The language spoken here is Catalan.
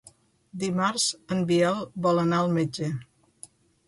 Dimarts en Biel vol anar al metge.